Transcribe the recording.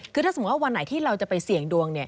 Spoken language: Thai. คือถ้าสมมุติว่าวันไหนที่เราจะไปเสี่ยงดวง